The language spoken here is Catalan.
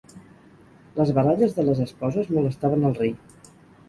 Les baralles de les esposes molestaven al rei.